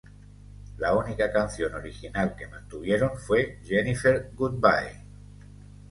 La única canción original que mantuvieron fue 'Jennifer Goodbye'.